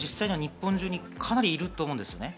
おそらく日本中にかなりいると思うんです。